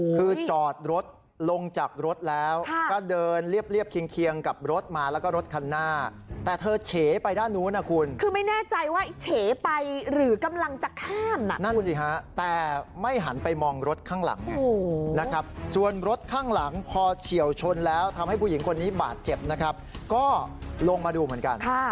คือจอดรถลงจากรถแล้วก็เดินเรียบเคียงกับรถมาแล้วก็รถคันหน้าแต่เธอเฉไปด้านนู้นนะคุณคือไม่แน่ใจว่าเฉไปหรือกำลังจะข้ามน่ะนั่นสิฮะแต่ไม่หันไปมองรถข้างหลังไงนะครับส่วนรถข้างหลังพอเฉียวชนแล้วทำให้ผู้หญิงคนนี้บาดเจ็บนะครับก็ลงมาดูเหมือนกัน